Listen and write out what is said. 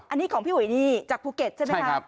อันนี้ของพี่อุ๋ยนี่จากภูเก็ตใช่ไหมครับ